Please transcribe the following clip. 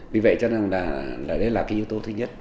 vì vậy chắc là đây là yếu tố thứ nhất